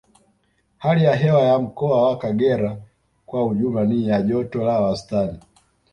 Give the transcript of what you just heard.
Hali ya hewa ya Mkoa wa Kagera kwa ujumla ni ya joto la wastani